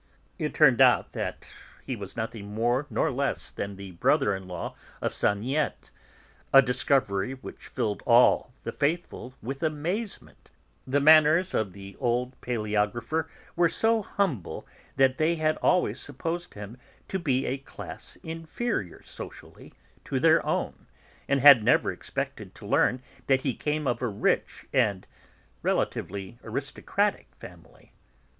(It turned out that he was nothing more nor less than the brother in law of Saniette, a discovery which filled all the 'faithful' with amazement: the manners of the old palaeographer were so humble that they had always supposed him to be of a class inferior, socially, to their own, and had never expected to learn that he came of a rich and relatively aristocratic family.)